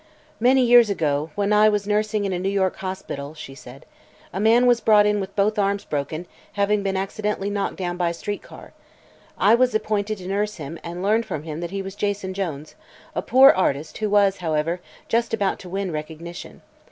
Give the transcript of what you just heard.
"Many years ago, when I was nursing in a New York hospital," she said, "a man was brought in with both arms broken, having been accidentally knocked down by a street car. I was appointed to nurse him and learned from him that he was Jason Jones, a poor artist who was, however, just about to win recognition.